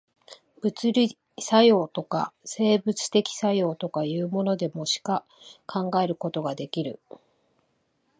物理作用とか、生物的作用とかいうものでも、しか考えることができる。